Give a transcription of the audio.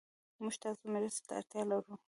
موږ تاسو مرستې ته اړتيا لرو